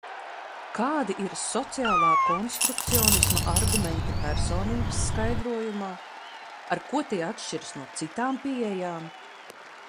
Kādi ir sociālā konstrukcionisma argumenti personības skaidrojumā, ar ko tie atšķiras no citām pieejām?